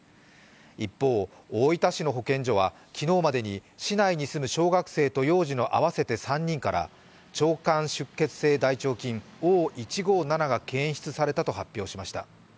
一方、大分市の保健所は昨日までに市内に住む小学生と幼児の合わせて３人から腸管出血性大腸菌＝Ｏ１５７が検出されたと発表しました。